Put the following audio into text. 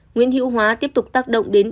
nguyễn hữu hóa tiếp tục tác động đến